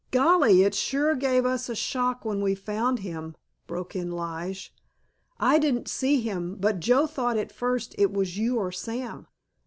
"Golly, it sure gave us a shock when we found him," broke in Lige; "I didn't see him, but Joe thought at first it was you or Sam."